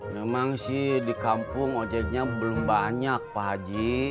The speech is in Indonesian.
memang sih di kampung ojeknya belum banyak pak haji